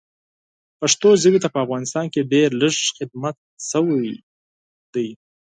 پښتو ژبې ته په افغانستان کې ډېر لږ خدمت شوی ده